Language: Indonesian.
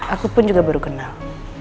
aku pun juga baru kenal